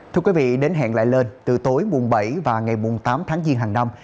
thưa quý vị đến hẹn lại lên từ tối mùng bảy và ngày mùng tám tháng giêng hàng năm